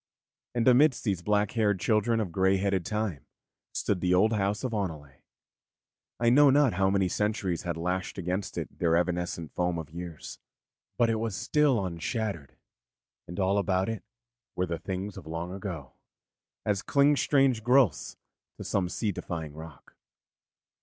And amidst these black haired children of grey headed Time stood the old house of Oneleigh. I know not how many centuries had lashed against it their evanescent foam of years; but it was still unshattered, and all about it were the things of long ago, as cling strange growths to some sea defying rock.